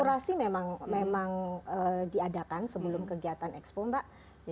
kurasi memang diadakan sebelum kegiatan ekspor mbak